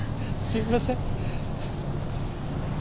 すいません。